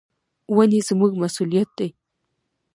ونې زموږ مسؤلیت دي.